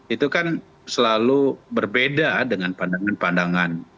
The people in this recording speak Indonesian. itu kan selalu berbeda dengan pandangan pandangan